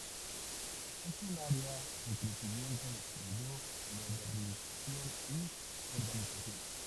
Es un área en crecimiento, desarrollo, modernización y urbanización.